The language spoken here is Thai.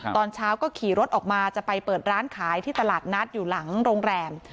ตอนเช้าก็ขี่รถออกมาจะไปเปิดร้านขายที่ตลาดนัดอยู่หลังโรงแรม